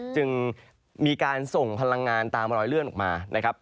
จึงมีการส่งพลังงานตามรอยเลื่อนออกมานะครับ